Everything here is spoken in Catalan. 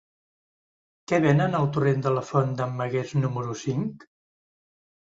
Què venen al torrent de la Font d'en Magués número cinc?